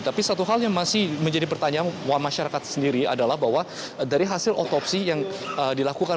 tapi satu hal yang masih menjadi pertanyaan masyarakat sendiri adalah bahwa dari hasil otopsi yang dilakukan